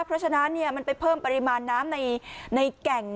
เพราะฉะนั้นมันไปเพิ่มปริมาณน้ำในแก่ง